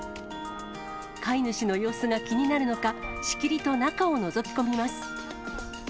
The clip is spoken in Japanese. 飼い主の様子が気になるのか、しきりと中をのぞき込みます。